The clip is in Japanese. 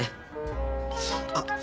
あっ